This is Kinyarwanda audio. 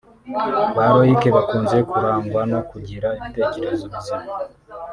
Ba Loic bakunze kurangwa no kugira ibitekerezo bizima